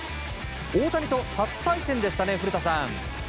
大谷と初対戦でしたね古田さん。